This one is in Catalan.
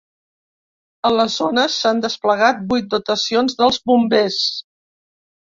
A la zona s’han desplegat vuit dotacions dels bombers.